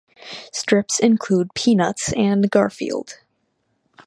Strips include "Peanuts" and "Garfield".